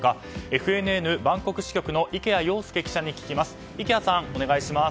ＦＮＮバンコク支局の池谷庸介記者に聞きます。